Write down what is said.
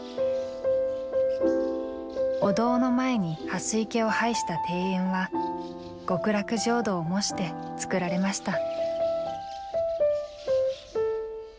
お堂の前に蓮池を配した庭園は極楽浄土を模して造られました。